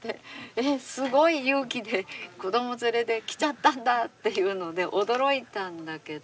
えっすごい勇気で子ども連れで来ちゃったんだっていうので驚いたんだけど。